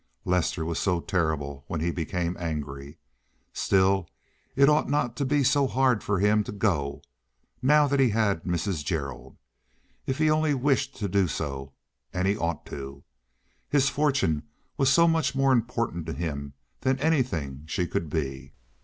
Lester was so terrible when he became angry. Still it ought not to be so hard for him to go, now that he had Mrs. Gerald, if he only wished to do so—and he ought to. His fortune was so much more important to him than anything she could be.